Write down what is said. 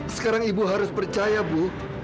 sekarang ibu harus percaya bu